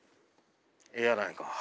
ええやないか。